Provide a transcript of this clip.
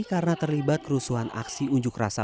karena terlibat kerusuhan aksi unjuk rasa